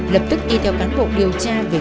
lập tức đi theo cán bộ điều tra về nghệ an